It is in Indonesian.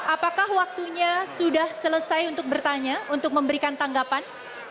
apakah waktunya sudah selesai untuk bertanya untuk memberikan tanggapan